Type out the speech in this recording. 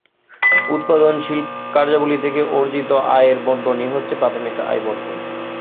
উৎপাদনশীল কার্যাবলি থেকে অর্জিত আয়ের বণ্টনই হচ্ছে প্রাথমিক আয়বণ্টন।